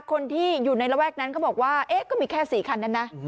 คนที่อยู่ในระแวกนั้นเขาบอกว่าก็มีแค่๔คันนั้นนะ